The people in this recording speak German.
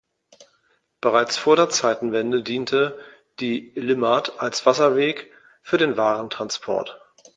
Bereits vor der Zeitenwende diente die Limmat als Wasserweg für den Warentransport.